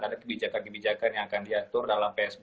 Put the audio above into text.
ada kebijakan kebijakan yang akan diatur dalam psbb